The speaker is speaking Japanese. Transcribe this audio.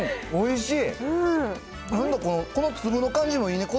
おいしい。